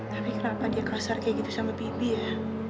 tapi kenapa dia kasar kayak gitu sama bibi ya